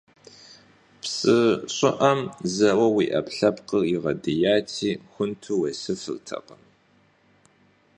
Psı ş'ı'em zeue yi 'epkhlhepkhır yiğediyati, xuntu yêsıfırtekhım.